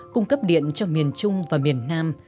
cung cấp điện cho miền trung và miền nam